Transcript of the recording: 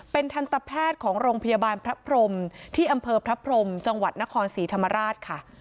เป็นทันตแพทย์ของโรงพยาบาลพระพรมที่อำเภอพระพรมจังหวัดนครศรีธรรมราชค่ะ